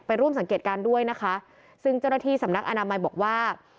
ร่วมสังเกตการณ์ด้วยนะคะซึ่งเจ้าหน้าที่สำนักอนามัยบอกว่า